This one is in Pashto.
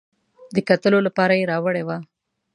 د کتلو لپاره یې راوړې وه.